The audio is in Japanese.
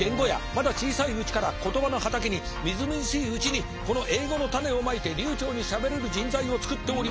まだ小さいうちから言葉の畑にみずみずしいうちにこの英語の種をまいて流ちょうにしゃべれる人材を作っております。